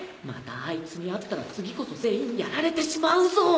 またあいつに会ったら次こそ全員やられてしまうぞ。